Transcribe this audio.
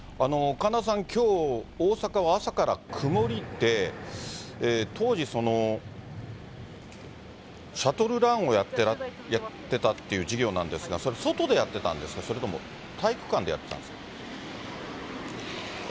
神田さん、きょう大阪は朝から曇りで、当時、シャトルランをやってたっていう授業なんですが、それ、外でやってたんですか、それとも体育館でやってたんですか？